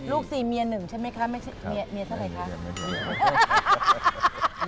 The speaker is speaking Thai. ลูกสี่เมียหนึ่งใช่ไหมคะเมียเฉศไหนคะ